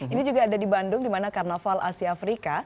ini juga ada di bandung di mana karnaval asia afrika